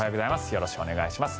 よろしくお願いします。